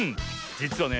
じつはね